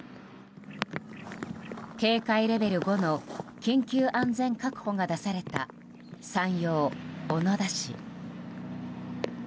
警戒レベル５の緊急安全確保が出された山陽小野田市。